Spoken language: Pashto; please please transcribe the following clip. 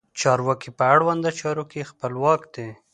چارواکي په اړونده چارو کې خپلواک دي.